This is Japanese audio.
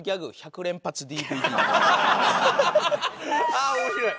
ああ面白い。